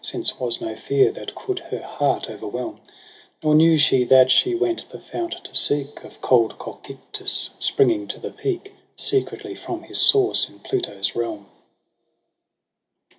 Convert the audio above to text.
Since was no fear that coud her heart o'erwhelm ; Nor knew she that she went the fount to seek Of cold Cocytus, springing to the peak, Secretly from his source in Pluto's realm.